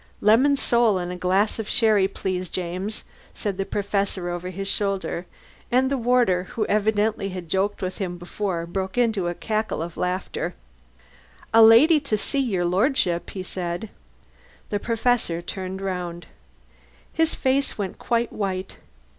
"Lemon sole and a glass of sherry, please, James," said the Professor over his shoulder, and the warder, who evidently had joked with him before, broke into a cackle of laughter. "A lady to see yer Lordship," he said. The Professor turned round. His face went quite white.